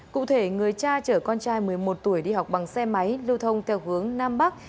cụ thể người cha chở con trai một mươi một tuổi đi học bằng xe máy lưu thông theo hướng nam bắc